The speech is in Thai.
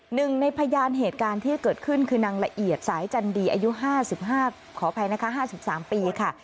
หนึ่งในพยานเหตุการณ์ที่เกิดขึ้นคือนางละเอียดสายจันดีอายุ๕๕ขออภัยนะคะ๕๓ปีค่ะ